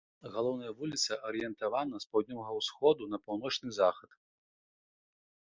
Галоўная вуліца арыентавана з паўднёвага ўсходу на паўночны захад.